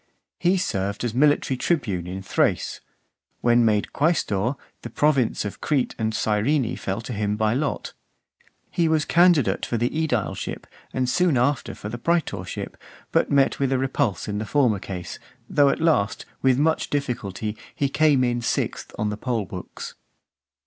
He served as military tribune in Thrace. When made quaestor, the province of Crete and Cyrene fell to him by lot. He was candidate for the aedileship, and soon after for the praetorship, but met with a repulse in the former case; though at last, with much difficulty, he came in sixth on the poll books.